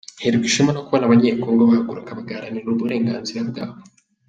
Nterwa ishema no kubona abanye-Congo bahaguruka bagaharanira uburenganzira bwabo.